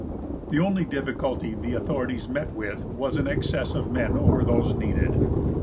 The only difficulty the authorities met with was an excess of men over those needed.